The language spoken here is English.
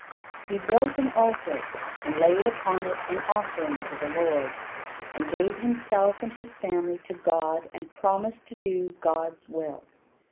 He built an altar, and laid upon it an offering to the Lord, and gave himself and his family to God and promised to do God's will.